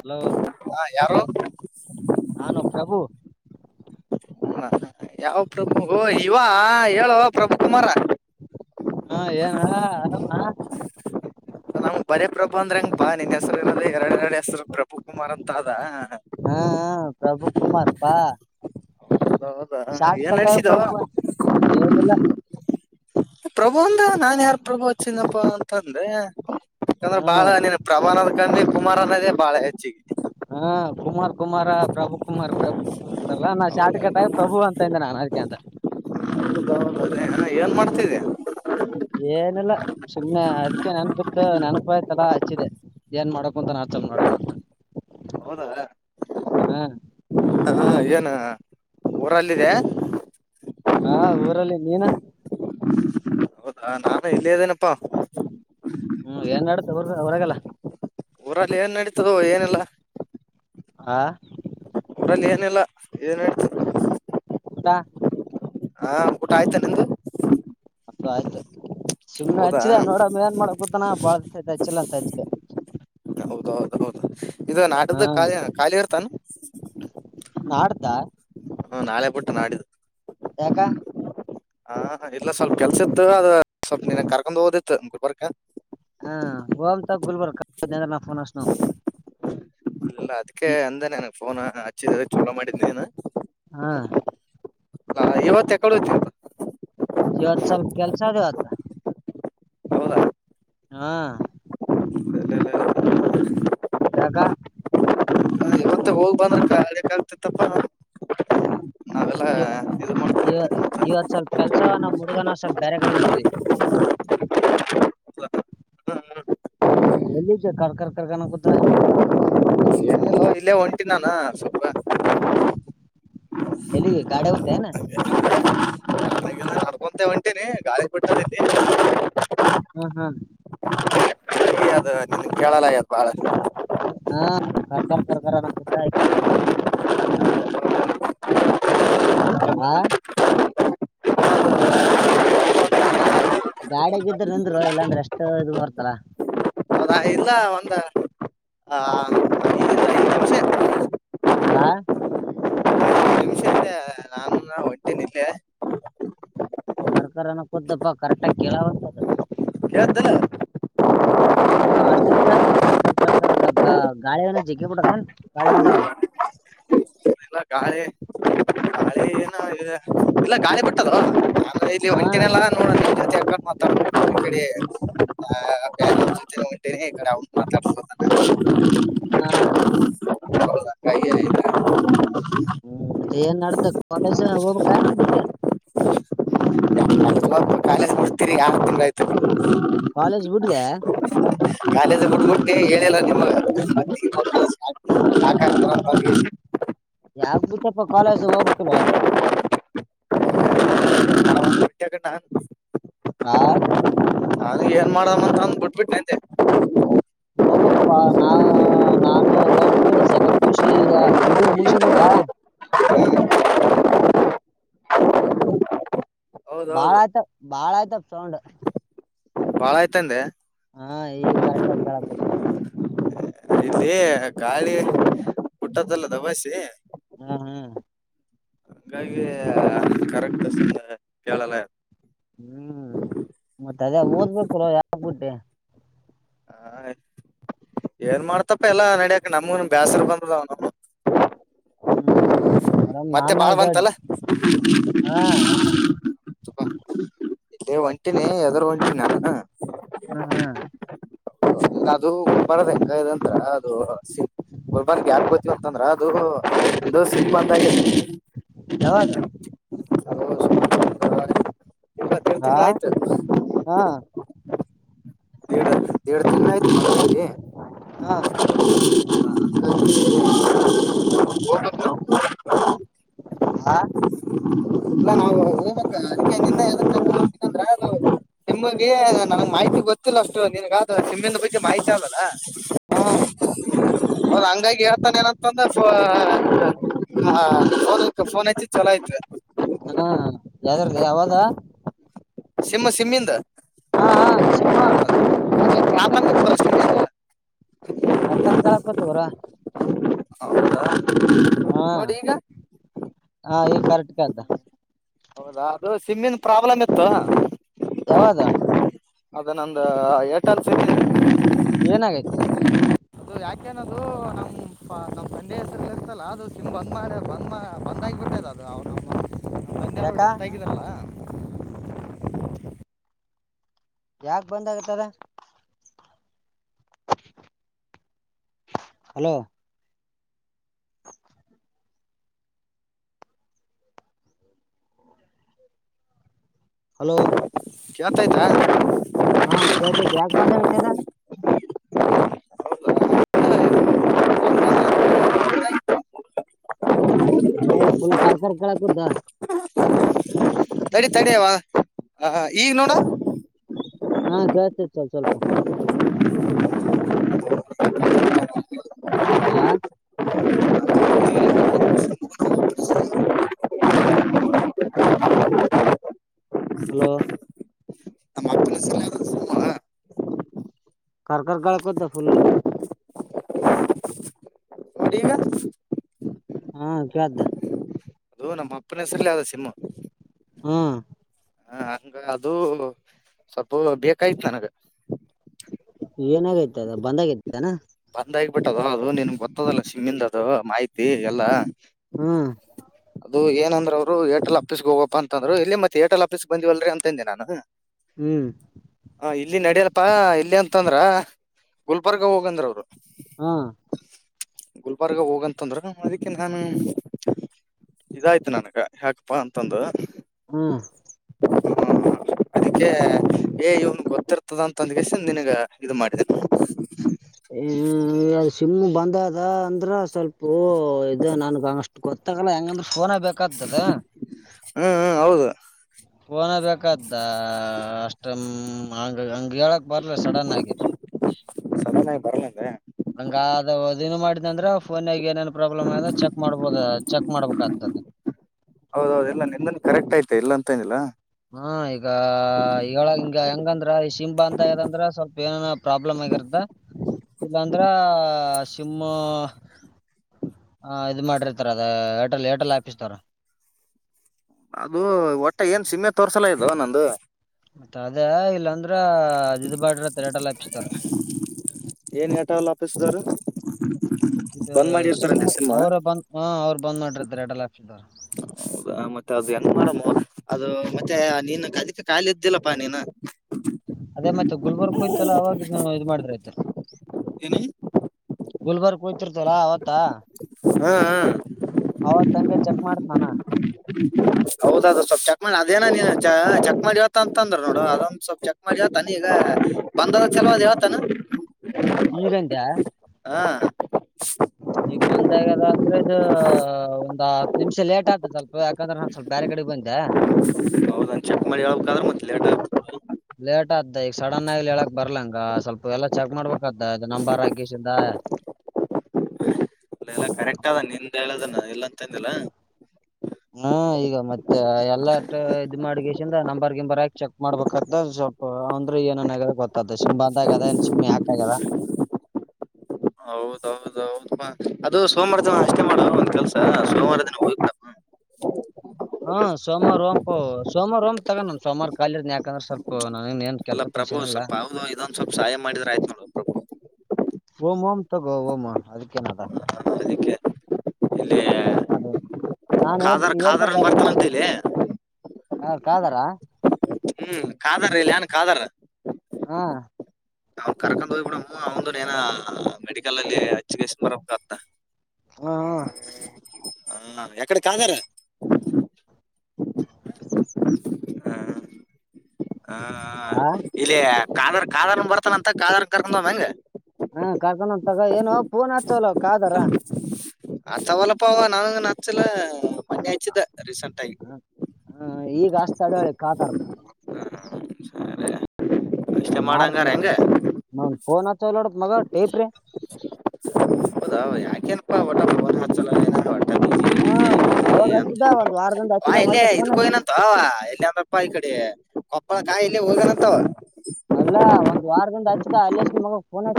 Hello ಹಾ ಯಾರು ಹಾ ನಕ್ಬಾಬು ಹ ಯಾವ ಪ್ರಭು ಇವ ಹೇಳುವ ಪ್ರಭು ಕುಮಾರ ಹ ಏನ ಆರಾಮ ನಾ ಬರೇ ಪ್ರ್ರಭಾ ಅಂದ್ರಂಗ ಬಾ ನಿನ್ ಹೆಸರು ಇರೋದ ಎರಡು ಎರಡು ಹೆಸರು ಪ್ರಭು ಕುಮಾರ್ ಅಂತ ಅದ ಹಾ ಪ್ರಭು ಕುಮಾರ್ಪಾ ಹೌದಾ ಏನ್ ನಡಸಿದಾವ ಅಂತ ಏನಿಲ್ಲ ಪ್ರಭು ಅಂದ್ರ ನಾನ್ ಯಾರ್ ಪ್ರಭುಚ್ಚಿನಪ್ಪ ಅಂತ ಅಂದೆ ಯಾಕಂದ್ರ ಹ್ಮ ಬಾಳ ನೀನ್ ಪ್ರಭಾನ ಕಂದಿ ಕುಮಾರ್ ಅನ್ನದೇ ಬಾಳ ಹೆಚ್ಚಗತಿ ಹಾ ಕುಮಾರ್ ಕುಮಾರ ಪ್ರಭು ಕುಮಾರ್ ಪ್ರಭು ಕುಮಾರ್ಲ್ಲ ನಾ ಶಾಟ ಕಟಾಗಿ ಪ್ರಭು ಅಂತಂದೆ ನಾನು ಅದಕ ಅಂತ ಏನ್ ಮಾಡ್ತಿದ್ದ ಏನಿಲ್ಲ ಸುಮ್ನೆ ಅದಕ್ಕೆ ನೆನಪತ್ತು ನೆನಪುಾಯ್ತಲಾ ಹಚ್ಚಿದೆ ಏನ್ ಮಾಡಕ್ ಂತ ನಡ ಹೌದಾ ಹ ಹಾ ಏನ ಊರಲ್ಲಿದೆ ಹಾ ಊರಲ್ಲಿ ನೀನು ಹೌದಾ ನಾನು ಇಲ್ಲ ಇದ್ದೇನಪ್ಪಾ ಹ್ಮ್ ಏನ್ ಮಾಡಡತ ಹೊರ ಹೊರಗೆಲ್ಲ ಊರಲ್ಲಿ ಏನ್ ನಡೀತದೋ ಏನೆಲ್ಲಾ ಆಾ ಅವರಲ್ಲಿ ಏನಿಲ್ಲ ಏನ್ ಹೇಳ್ತ ಡ ಹಾ ಊಟ ಆಯ್ತಾ ನಿಮ್ದ ಮ ಆಯ್ತುಯ್ತು ಸುನೆ ಹಚ್ಚಿದೆ ನೋಡ ಏನ್ ಮಾಡ ಗೊತ್ತಾನ ಬಾಳ ಹಚ್ಚಲ್ಲ ಅಂತ ಹಚ್ಚಿದೆ ಹೌದ ಹೌದು ಹೌದು ಇದು ಹ್ಮ್ ನಾಟದಾಲಿ ಖಾಲಿ ಇರ್ತಾನ ನಾಡ್್ದ ಹೂ ನಾಳೆ ಬಿಟ್ಟು ನಾಡಿದ್ದು ಯಾಕ ಹ ಇಲ್ಲ ಸ್ವಲ್ಪ ಕೆಲ್ಸ ಇತ್ತು ಅದು ಸ್ವಲ್ಪ ನೀನ್ ಕರ್ಕೊಂಡ್ ಹೋಗೋದಿತ್ತು ಗುಲ್ಬರ್ಗ ಕ ಹಾ ಹೋಗೋಣ ತಗೋ ಗುಲ್ಬರ್ಗ ಕ ಅವ್ನಿಗೆ ಫೋನ್ ಹಚ್ಚಾನಿ ಅಲ್ಲ ಅದಕ್ಕೆ ಅಂದಾನೇನ ಫೋನ ಹಚ್ಚಿದ ಚೋಲ ಮಾಡಿದ್ ಹಾ ಇವತ್ತು ಯಕ ಇವತ್ತು ಸ್ವಲ್ಪ ಕೆಲ್ಸ ಅದವತ್ತ ಹೌದಾ ಹಾ ಅಡಲ್ಲಲ್ಲಿ ಯಾಕ ಮತ್ತೆ ಹೋಗ್ ಬಂದಂತ ಆಕ್ ಆಗ್ತತ್ತಪ್ಪ ನಾವೆಲ್ಲಾ ಇದು ಮಾಡತ ಕೆಲ್ಸವನ ನಾಮ್ ಹುಡುಗನ ಅಸಲ್ ಬೇರೆ ಕಡೆಗ ಹೊಟ್ಟಿವಿ ಎಲ್ಲಿದ್ದ ಕರ್ ಕರ್ ಕರ್ ಕನ ಕೂತ್ರರ ನ ಇಲ್ಲೇ ಒಂಟಿನ ನಾನ ಸ್ವಲ್ಪ ಎಲ್ಲಿ ಗಾಡ ಗ ಹೊಟ್ಟಿ ಏನ ಅರ್ಕೊಂತ ಹೊಂಟೇನೆ ಗಾಳಿ ಬಿಟ್ಟಲ್ಲಿ ಹ ಹ ಅ ಅದು ನಿನ್ ಕೇಳಲ್ಲ ಯದು ಬಾಳಷ್ಟ ಹಾ ಕರ್ಕರ್ ಕರ್ಕರ್ನ ಖುದ್ದ ಆಯಕ ಕಲ್ಲ ಅಂತ ಗಾಡಿಗಿದ್ರೆ ನಿಂದ್ರು ಇಲ್ಲಾಂದ್ರೆ ಎಷ್ಟು ಇದ ಬರ್ತಲ್ಲ ಅದ ಇಲ್ಲ ಒಂದ ಐದು ನಿಮಿಷ ಆ ನಾನ ಹೊಟ್ಟತೀನೆ ಇಲ್ಲೆ ಕರ್ಕರನ ಕೊ್ದಪ್ಪ ಕರೆಕ್ಟ್ಾಗಿ ಕೇಳಾವಂತದ ಹೌದು ಇಲ್ಲ ಹಾ ಅಷ್ಟ ಕತ ಕರ್ ಕರ್ ಕರ್ಕರ್ ಗ ಗಾಳಿನ ಜಿಗ್ಕ್ಕಿ ಬಿಟ್ಟದ ಗಾಳಿ ಹೊಂಟದಲ್ಲ ಹ ಇಲ್ಲ ಗಾಳಿ ಗಾಳಿ ಏನ ಇಲ್ಲ ಗಾಳಿ ಬಿಟ್ಟದೋ ಹಾ ಒಂಟೆನೆಲ್ಲ ನೋಡು ಇಕಾಡಿ ಮೇಲೆ ಅವ್ವ ಗ ಮಾತಾಡ್ಸನ ಹಾ ಹೌದ ಕೈ ಹೂ ಮತ್ತ ಏನ್ ನಡತ ಕಾಲೇಜ ಹೋಗಬ ಕಾಯ ನ ಬಿಟ್ಟ ಕಾಲೇಜ್ ಬಿಡು ಒಂದು ಆರು ತಿಂಗಳ ಆಯ್ತು ತಿರ್ಗಾ ಬಿಟ್ಟು ಕಾಲೇಜ್ ಬಿಡ್ದೆ ಕಾಲೇಜ ಬಿಡ್ಬಿಟ್ಟೆ ಹೇಳಲ್ಲ ನಿಮಗ ಸಾಕ್ ಆಯ್ತು ಯಾಕ್ ಬಿಟ್ಟೆಪ್ಪ ಕಾಲೇಜ ಹೋಗ್ ಬೇಕು ಅಲ್ಲೋ ನಾನು ಹೊಂಟೆ ಕಣ್. ಆ ನನಗೆ ಏನ್ ಮಾಡಮ್ಮಂತ ಅಂದ ಬಿಟ್ಬಿಟ್ಟು ನೆ ಹೋಗ್ಬಕ್ ಪಾ ನಾ ನಾನು ಹೋಗ್ಬಕ್ ಸೆಕೆಂಡ್ ಪುಷಿ ಡಿಗ್ರಿ ಮುಸನ್ಂದ್ರ ಹಾ ಭಾಳ ಹೌದೌದು ಆಯ್ತ ಭಾಳ ಆಯ್ತು ಸೌಂಡ್ ಭಾಳ ಆಯ್ತ ಅಂದೆ ಹಾ ಈಗ ಕರೆಕ್ಟ್ಾಗಿ ಕೇಳಕತ್ ಸ್ವಲ್ಪ ಇಲ್ಲಿ ಗಾಳಿ ಕುುಟ್ಟದಲ್ಲ ದಬಾಸಿ ಹೂ ಹೂ ಹಂಗಾಗಿ ಕರೆಕ್ಟ್ ಕೇಳಲ್ಲ ಹೂ ಮತ್ತ ಅದೇ ಓದ್ಬೇಕುರ ಯಾಗ್ಬಿಟ್ಟೆ ಹಾ ಏನ್ ಮಾಡ್ತಪ್ಪ ಎಲ್ಲಾ ನಡಿಯಕ್ ನಮಗೂನ್ ಬೇಸರು ಬಂದದಾವ ನಮ ಹ್ಮ್ ಮೇಡಮ್ ಮತ್ತೆ ನಾನ ಬಾಳ್ ಇದ ಬಂತಲ್ಲ ಹಾ ಇೇ ಒಂಟಿನ ಎದರ ಒಂಟಿನ ನಾನು ಹ್ಮ್ ಹ್ಮ್ ಅದು ಬರದ ಹೆಂಗದಂತತ್ರ ಅದು ಸಿ ಗುಲ್ಬರ್ಗೆ ಯಕ ಗೋತಿವಂತಂದ್ರ ಅದು ಇದು ಸಿಕ್ಕ ಅಂತಿ ಯಾವಾಗ ಹ ಇಪ್ಪತ್ತೆರ ಹಾ ತಿಂಗಗಳ ಆಯ್ತು ಹಾ ಎ ಎರ ದಿನ ಆಯ್ತುಗೆ ಹಾ [inaudible] [inaudible] [inaudible] ಇಲ್ಲ ನಾವು ಹೋಗ ಅದಕ್ಕೆ ನಿಂದಾ ತಿಮ್ಮಿಗೆ ನಂಗೆ ಮಾಹಿತಿ ಗೊತ್ತಿಲ್ಲ ಅಷ್ಟು ನಿನ್ಗಾದ ತಿಮ್ಮಿನ ಬಗ್ಗೆ ಮಾಹಿತಿ ಆಗಲ್ಲ ಹಾ ಹೌದ್ ಹಂಗಾಗಿ ಹೇಳ್ತಾನ ಏನಂತಂದ್ರೆ ಅವ ಫೋನ್ ಹೆಚ್ಚಿ ಚಲೋ [inaudible] ಹಾ ಯ್ದಾರ್ದ ಯಾವದ ಸಿಮ್ಮ ಸಿಮ್ಮಿಂದ ಹಾ ಸಿಂಮ್ಮ ಪ್ರಾಬ ಕರ್ಕರ್ ಕಳಕತ್ವರ ಹೌದಾ ಹಾ ಹ ಈಗ ಕರೆಟ್್ದ ಹೌದಾ ಅದು ಸಿಮ್ಮನ್ ಪ್ರಾಬ್ಲಮ್ ಇತ್ತು ಯಾವದ ಅದ ನಂದು ಏಟನ್ ಸ ಏನಾಗೈತಿ ಅದು ಯಾಕೇನದು ನಮ್ ನಮ್ ಸಂಡೆ ಹ ಇರ್ತಲ್ಲ ಅದು ಸಿಮ್ ಬಂದ್ ಮಾರ ಬಂದ್ ಬಂದ ಬಿಟ್ಟದ ಅದು ಅವರು ಬಂದೆವರು ಯಾಕ ಡೆತ್ ಆಗಿದಲ್ಲ ಯಾಕ ಬಂದ್ ಆಾಗತ್ತದ ಹಲೋ [inaudible] ಹಲೋ ಯತಾಯತಾ ಹಾ ಕೇಳ್ತೈತಿ ಯಾಕ ಬಂದಾಗೈತದ [inaudible] ಏ ಫುಲ್ ಕಾರ್ ಕಾರ್ ಕಳಕುದಾ ತಡಿ ತಡವಾ ಈಗ ನೋಡ ಹಾ ಕೇಳ್ತೇತ್ತು ಸ್ವಲ್ಪ ಸ್ವಲ್ಪ ಆ ಹಲೋ ನಮ್ಮ ಅಪ್ಪನ ಹೆಸರಲ್ಲಿ ಯಾವ್ದೋ ಸಿಮ್ ಕರ್ಕರ್ಗಳಕ್ಕದ ಫುಲ್ ನೋಡಿ ಈಗ ಹಾ ಕೇಳ್ದ ಅದು ನಮ್ಮ ಅಪ್ಪನ ಹೆಸರಿಲಿ ಅ ಸಿಮ್ಮು ಹ್ಮ ಹ ಹಂಗ ಅದು ಸ್ವಲ್ಪ ಬೇಕಾಯತ್ ನನಗ ಏನಾಗೈತಿ ಅದ ಬಂದಾಗೈತನಾ ಬಂದ್ ಆಗ್ಬಿಟ್ಟದು ಅೌದು ನಿಮಗ್ ಗೊತ್ತದಲ್ಲ ಸಿಮ್ಮಿಂದದು ಮಾಹಿತಿ ಎಲ್ಲಾ ಹ್ಮ್ ಅದು ಏನಂದ್ರ ಅವರು ಏಟಲ್ ಆೀಸ್ ಹೋಗಪ್ಪ ಅಂದರು ಇಲ್ಲಿತ್ತ ಏಟಲ್ ಆಫೀಸ್ ಬಂದಿಲ್ರಿ ಅಂತಂದೆ ನಾನು ಹ್ಮ್ ಹ ಇಲ್ಲಿ ನಡ್ಯಲ್ಪಾ ಇಲ್ಲಿ ಅಂತಂದ್ರ ಗುಲ್ಬರ್ಗ ಹೋಗಂದ್ರ ಅವರು ಹಾ ಗುಲ್ಬರ್ಗ ಹೋಗಂತಂದ್ರ ಅದಕ್ಕನ್ ನಾನು ಇದಾಯ್ತ ನನಗ ಹ್ಯಾಕಪ್ಪಾ ಅಂತಂದು. ಹ್ಮ್ [inaudible] ಅದಕ್ಕೆ ಏ ಇವನ್ ಗೊತ್ತಿರ್ತದ ಅಂದ ಕಿಸಿಂದ ನಿನಗ ಇದ ಮಾಡಿದ. ಹ್ಮ್ಮ್ ಅದ ಸುಮ್ಮ ಬಂದ ಅದ ಅಂದ್ರ. ಸ್ವಲ್ಪ ಪು ಇದು ನನ್ಗ ಅಂಗಷ್ಟು ಗೊತ್ತಾಗಲ್ಲ ಹೆಂಗಂದ್ರ ಫೋನ್ ನ ಬೇಕಾಗ್ತದ. ಹ್ಮ ಹ. ಪೋನ್ ನ ಬೇಕ್ದ ಅಷ್ಟ ಹ್ಮ್ಮ್ ಹಂಗ ಹಂಗ ಹೇಳಕ್ ಬರ್ಲ ಸಡನ್ ಆಗಿ. [inaudible] ಬರಲ್ಲ ಅಂದ. ಹಂಗ ಆದ ದೊ ಅದ ಇದು ಮಾಡಿದ ಅಂದ್ರ. ಫೋನ್ನ್ಯಾಗ ಏನೇನು ಪ್ರಾಬ್ಲಮ್ ಆದ ಚೆಕ್ ಮಾಡ್ಬೋದ ಚೆಕ್ ಮಾಡ್ಬೇಕಾಗ್ತದ. ಹೌದು ಹೌದು ಇಲ್ಲ ನಿನ್ನನ್ ಕರೆಕ್ಟ್ ಆಯ್ತೆಾ ಇಲ್ಲ ಅಂತ ಏನ ಇಲ್ಲ. ಹಾ ಈಗ [unintelligible] ಹಂಗ ಹೆಂಗಂದ್ರ ಈ ಶಿಮ್ ಅಂದ ಇದಂದ್ರ ಸ್ವಲ್ಪ ಏನೇನು ಪ್ರಾಬ್ಲಮ್. [unintelligible] ಇಲ್ಲಾಂದ್ರ ಶಿಮ್ಮ. ಹಾ ಇದು ಮಾಡ್ರಿತರ ಅದ ಏರ್ಟೆಲ್ ಏರ್ಟೆಲ್ ಆಫೀಸ್ ದವರ. ಅದು ಒಟ್ಟ ಏನ್ ಸಿಮ್ ಮೆ ತೋರ್ಸಲ ಅಗೆದೋ ನಂದು. ಮತ್ತ ಅದೇ ಇಲ್ಲಾಂದ್ರ ಅದ ಇದು ಬಾಡ್ರ ಅಂತ ಏರ್ಟೆಲ್ ಆಫೀಸ್ ದವರ. ಏನ್ ಏರ್ಟೆಲ್ ಅಪ್ಪಿಸಿದರು. ಇದು ಶಿಮು ಅವರು ಬಂದ್ ಹ ಅವ್ರು ಬಂದ್ ಮಾಡ್ರತಾರೆ ಏರ್ಟೆಲ್ ಆಫೀಸ್ ನವರ. ಹೌ ಮತ್ತ ಅದು ಹೆಂಗ ಮಾಡೊಮೊ ಅದು ಮತ್ತೆ ನೀನು ಅದಕ್ಕೆ ಖಾಲಿ ಇದ್ದಿಲ್ಲಪ್ಪ ನೀನ. ಅದೇ ಮತ್ತೆ ಗುಲ್ಬರ್ಗ್ ಕ ಹೋಯ್ತ ಅಲ್ಲ ಅವಾಗ ಇದ್ ಇದ್ ಮಾಡ್ರ ಆಯ್ತಾರಿ. ಏನ. ಗುಲ್ಬರ್ಗ ಕ ಹೋಗ್ತೀರ್ತಿವ ಅಲ್ಲ ಅವತ. ತಾ ಹಾ ಹಾ ಅವತ ಹಂಗೆ ಚೆಕ್ ಮಾಡ ತಾನ. ಹೌದ ಅದು ಸ್ವಲ್ ಚೆಕ್ ಮಾಡಿ ಅದೇನ ನೀ ಚೆಕ್ ಮಾಡಿವತ್ತ ಅಂತ ಅಂದ್ರ ನೋಡೊ ಅದೊಂದು ಸ್ವಲ್ಪ್ ಚೆಕ್ ಮಾಡ. ಅದ ಯಾವ ತಾನಿ ಈಗ ಬಂದ್ ಆದ ಚಾಲು ಅದ ಹೇಳ್ತಾನ. ಈಗ ಆಂಧ್ಯ. ಹಾ. ಬಂದಾಗ್ಯದ ಅಂದ್ರೆ ಇದು ಹತ್ ಒಂದ್ ಹತ್ತ ನಿಮಿಷ ಲೇಟ್ ಆತತ ಯಾಕಂದ್ರ ನಾ ಸ್ವಲ್ಪ ಬೇರೆ ಕಡೆ ಬಂದ್ಯಾ. ಹೌದನ್ ಚೆಕ್ ಮಾಡಿ ಹೇಳ್ಬೇಕಾದ್ರ ಮತ್ ಲೇಟ್ ಆಗ್ಬಿಡ್ತು ಲೇಟ್ ಆತ ಈಗ ಸಡನ್ ಆಗಲಿ ಇಲ್ಲಿ ಹೇಳಕ್ ಬರಲ ಹಂಗ ಸ್ವಲ್ಪ ಎಲ್ಲಾ ಚೆಕ್ ಮಾಡ್ಬೇಕ. [unintelligible] ನಂಬಾರ ಹಕೇಶಿಂದ. ಅಲ್ಲ ಎಲ್ಲಾ ಕರೆಕ್ಟ್ ಅದ ನಿಂದ ಹೇಳ ಅದನ ಇಲ್ಲ ಅಂತ ಅಂದೆ ಅಲ್ಲ. ಹ್ಮ ಈಗ ಮತ್ತೆ ಎಲ್ಲಾ ಅಟ್ಟ ಇದ್ ಮಾಡಗೇಶಿಂದ ನಮ್ಮ. ಹೊರಗಿಂದ ಬರಕ್ ಚೆಕ್ ಮಾಡ್ಬೇಕತ್ ಸ್ವಲ್ಪ ಅಂದ್ರೆ ಏನನ್ ಅಗೆದ ಗೊತ್ತ. ಹೌದ ಹೌದ ಹೌದ ಪ್ಪಾ. ಅದು ಸೋಮವಾರ ದಿನ ಅಷ್ಟೇ ಮಾಡುವ ಒಂದ್ ಕೆಲ್ಸ ಸೋಮವಾರ ದಿನ ಹೋಗ್ಬಡ ಹೂ. ಹಾ ಸೋಮವಾರು ಹಓಂಪೊ ಸೋಮವಾರ ಹೋಗುನ್ ತಗೋನ ಸೋಮವಾರ ಖಾಲಿ ಅದಿನಿ ಯಾಕಂದ್ರ ಸ್ವಲ್ಪ. ನನಗ್ ಏನ್ ಅಲ್ಲ ಕೆಲ್ಸ ಪಲ್ಸ ಪ್ರಭು ಏನಿಲ್ಲ ಸ್ವಲ್ಪ ಹಾವ್ದೋ ಇದೊಂದು ಸ್ವಲ್ಪ ಸಹಾಯ ಮಾಡಿದ್ರೆ ಆಯ್ತ ನೋಡ ಪ್ರಭು. ಹೋಗುಮ ತಗೋ ಹೋಗುಮ ಅದಕ್ಕೆನದಾ. ಅದಕ್ಕೆ ಇಲ್ಲಿ ಹಲೋ ನಾನು ಖಾದರ್ ಇವತ್ತ ಖಾದರ್ ಬರ್ತಿದೆ. ಬರ್ತಾನಂತ ಇಲ್ಲಿ ಹ ಕಾದಾರ. ಹ್ಮ್ ಕಾದಾರ ಇಲ್ಲಿ ಆನ್ ಕಾದಾರ. ಹಾ. ಅವ್ ಕರ್ಕೊಂಡ್ ಹೋಗಿ ಬಿಡಮು ಅವಂದು ಏನ ಮೆಡಿಕಲ್ ಅಲ್ಲಿ ಅಚ್ಚುಕೇಶನ್ ಬರಬೇಕತ್ತ. ಹ ಹ ಎಕ್ಕಡೆ ಕಾಗರ. ಹ ಹ ಇಲ್ಲಿ ಕಾನರ್ ಕಾದಾರ್ನ ಬರ್ತಾನಂತ ಕಾದಾರ್ ಕರ್ಕಡ ಹೋಗೋನು ಹೆಂಗ್. ಹಾ ಕರ್ಕೊಂಡ ತಗ ಏನು ಪೂನ್ ಹಚ್ಚಲ ಕಾದರ. ಆ ಸವಾಲಪ್ಪಾವ ನಾವೇನ ಹಚ್ಚಲ ಮೊನ್ನೆ ಹಚ್ಚಿದ ರೀಸೆಂಟ್ ಆಗಿ. ಹ್ಮ ಈಗ ಹಚ್ಚ ತಾದಾಳೆ ಕಾದರ್. ಸರಿ ಹ ಅಷ್ಟೇ ಮಾಡಂಗಾರ ಮಾಡ್ತೀನಿ ಅವನ ಹೆಂಗ ಒಂದ ಫೋನ್ ಹಚ್ಚಲ ನೋಡ ಮಗ ಟೇಪ್ರೀ. [unintelligible] ಹೌದಾ ಯಾಕೆಏನಪ್ಪಾ ಒಟ ಫೋನ್ ಹಚ್ಚಲಏ ಹೊಟ್ಟ [unintelligible] ಹಾ ಅವಾಗ ಹಚ್ಚಿದ್ದ ಒ [unintelligible] ಆಾ ಇಲ್ಲೇ ಇದಕ್ ಹೋಗನಂತ ಅವ ಎಲ್ಲ ಅಂದ್ರಪ್ಪ ಈ ಕಡೆ ಕೊಪ್ಪಳ ಕಾಯಿ ಎಲ್ಲ ಹೋಗನಂತ [unintelligible] ಅಲ್ಲ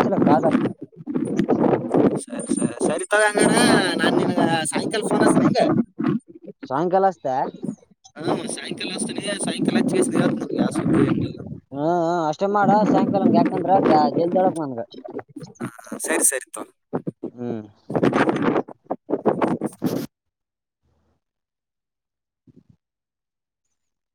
[unintelligible] ಚ್ಚಲ ಕಾದಾ [inaudible] ರ ಸರಿ ಸರಿ ತಗಂಗಾರ ನಾನ್ ನಿನ್ಗ ಸಾಯಂಕಾಲ ಫೋನ್ ಹಚ್ಚುತ್ತೇನೆ [unintelligible] ಸಾಯಂಕಾಲ ಅಷ್ಟೇ ಹಾ ಸಾಯಂಕಾಲ ಹಚ್ತೀನಿ ಸಾಯಕಾಲ [unintelligible] ಹ್ಮ ಹು ಅಷ್ಟೇ ಮಾಡ ಸಾಯಂಕಾಲಂ ಯಾಕಂದ್ರ ಜಲ್ದಳಕ್ ನನ್ಗ ಹ ಸರಿ [unintelligible] [unintelligible] [inaudible] ಹ್ಮ್